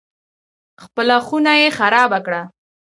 خپله خونه یې خرابه کړه.